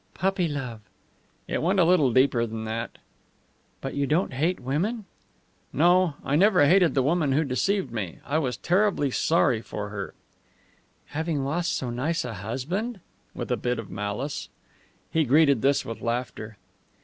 "Puppy love." "It went a little deeper than that." "But you don't hate women?" "No. I never hated the woman who deceived me. I was terribly sorry for her." "For having lost so nice a husband?" with a bit of malice. He greeted this with laughter.